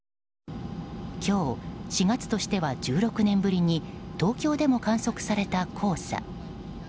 今日、４月としては１６年ぶりに東京でも観測された黄砂。